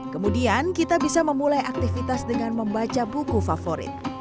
kemudian kita bisa memulai aktivitas dengan membaca buku favorit